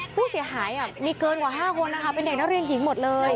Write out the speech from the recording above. ผู้เสียหายมีเกินกว่า๕คนนะคะเป็นเด็กนักเรียนหญิงหมดเลย